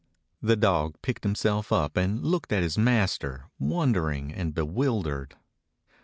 The dog picked himself up and looked at his master, wondering and bewildered.